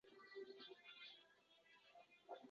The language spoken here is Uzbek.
Moskvada o‘zbekistonlik yosh sportchi g‘oliblikka erishdi